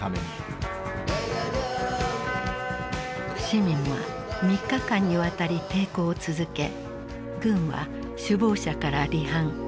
市民は３日間にわたり抵抗を続け軍は首謀者から離反。